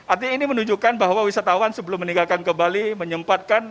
artinya ini menunjukkan bahwa wisatawan sebelum meninggalkan ke bali menyempatkan